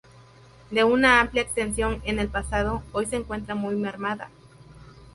De una amplia extensión en el pasado, hoy se encuentra muy mermada.